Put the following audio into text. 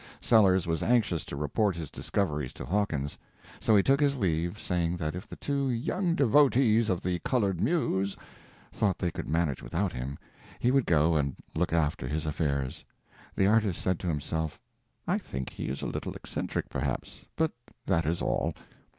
Sellers was anxious to report his discoveries to Hawkins; so he took his leave, saying that if the two "young devotees of the colored Muse" thought they could manage without him, he would go and look after his affairs. The artist said to himself, "I think he is a little eccentric, perhaps, but that is all."